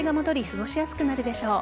過ごしやすくなるでしょう。